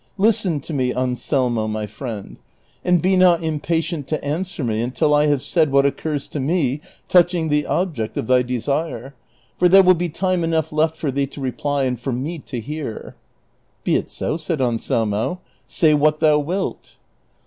Listen to me, Anselmo my friend, and be not impatient to answer me until I have said what occurs to me touching the object of thy desire, for there will be time enough left for thee to reply and for me to hear." " Be it so," said Anselmo, " say what thou wilt."